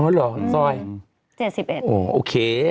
อ๋อเหรอซอยโอเค